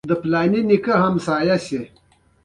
آیا موږ له ترکمنستان بریښنا اخلو؟